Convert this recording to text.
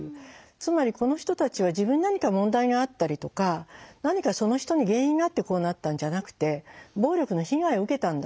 つまりこの人たちは自分に何か問題があったりとか何かその人に原因があってこうなったんじゃなくて暴力の被害を受けたんだ。